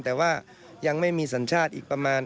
แต่ว่ายังไม่มีสัญชาติอีกประมาณ